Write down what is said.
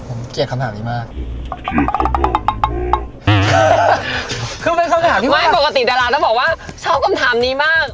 ปกติดาราต้อนบอกว่าชอบคำถามนี้มาก